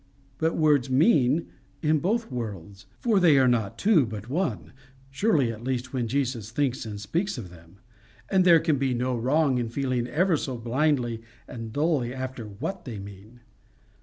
But words MEAN in both worlds, for they are not two but one surely at least when Jesus thinks and speaks of them; and there can be no wrong in feeling ever so blindly and dully after WHAT they mean.